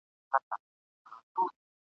لوږي ځپلي یخني یې وژني !.